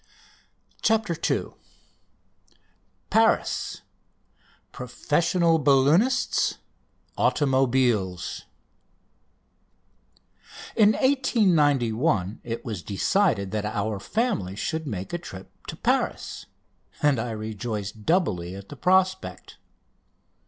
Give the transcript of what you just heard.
CHAPTER II PARIS PROFESSIONAL BALLOONISTS AUTOMOBILES In 1891 it was decided that our family should make a trip to Paris, and I rejoiced doubly at the prospect.